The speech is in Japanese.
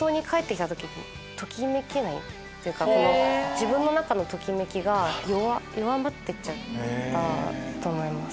自分の中のときめきが弱まってっちゃうと思います。